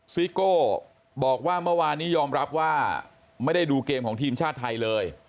ซิโก้บอกว่าเมื่อวานนี้ยอมรับว่าไม่ได้ดูเกมของทีมชาติไทยเลย